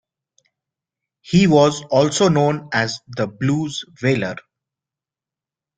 He was also known as "the Blues Wailer".